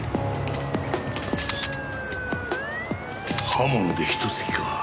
刃物でひと突きか。